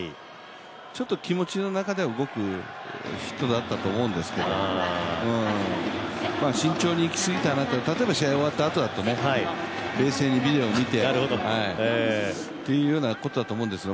ちょっと気持ちの中では動くヒットだったとは思うんですけど慎重にいきすぎたなと、例えば試合が終わったあとだと冷静にビデオを見てっていうようなことだと思うんですが